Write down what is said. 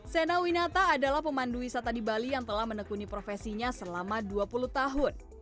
sena winata adalah pemandu wisata di bali yang telah menekuni profesinya selama dua puluh tahun